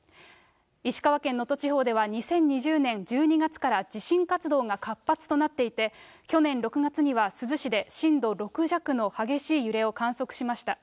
石川県能登地方では、２０２０年１２月から地震活動が活発となっていて、去年６月には珠洲市で震度６弱の激しい揺れを観測しました。